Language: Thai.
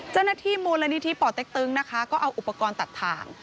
เจ้าหน้าที่มูลนิธิป่อเต็กตึงนะคะก็เอาอุปกรณ์ตัดทาง